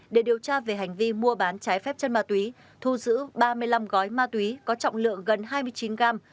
để điều tra về hành vi mua bán trái phép chân ma túy thu giữ ba mươi năm gói ma túy có trọng lượng gần hai mươi chín gram